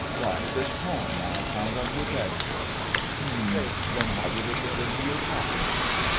"Why, this poem I have found on your bench." "Hum. Then how did it get into your pocket?"